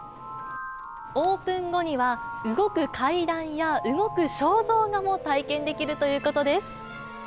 オープン後には、動く階段や、動く肖像画も体験できるということです。